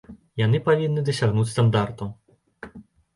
Яны павінны дасягнуць стандартаў.